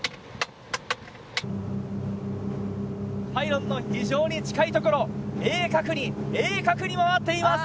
パイロンの非常に近い所鋭角に鋭角に回っています。